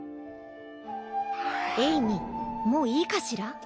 エイミもういいかしら？